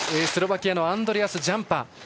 スロバキアのアンドレアス・ジャンパ。